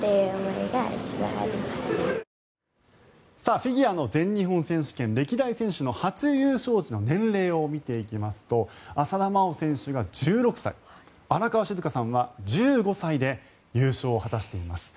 フィギュアの全日本選手権歴代選手の初優勝時の年齢を見ていきますと浅田真央選手が１６歳荒川静香さんは１５歳で優勝を果たしています。